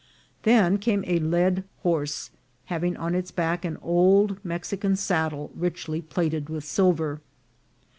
Then came a led horse, having on its back an old Mexican saddle richly plated with silver.